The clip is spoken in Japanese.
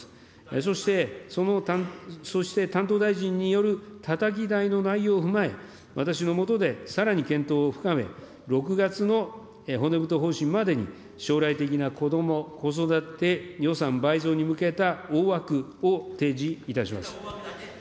そして、その、そして担当大臣によるたたき台の内容を踏まえ、私の下で、さらに検討を深め、６月の骨太方針までに、将来的なこども・子育て予算倍増に向けた大枠を提示いたします。